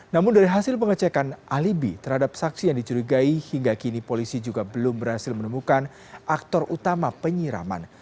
namun dari hasil pengecekan alibi terhadap saksi yang dicurigai hingga kini polisi juga belum berhasil menemukan aktor utama penyiraman